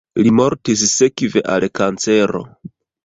Li mortis sekve al kancero.